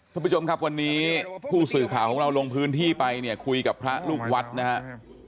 ท่านผู้ชมครับวันนี้ผู้สื่อข่าวของเราลงพื้นที่ไปเนี่ยคุยกับพระลูกวัดนะครับ